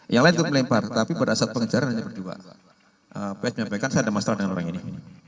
yang lain melempar tapi berasal pencariannya berdua ps menyampaikan saya ada masalah dengan orang ini